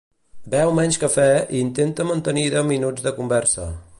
Beu menys cafè i intenta mantenir deu minuts de conversa.